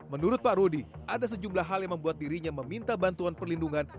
menurut pak rudi ada sejumlah hal yang membuat dirinya meminta bantuan perlindungan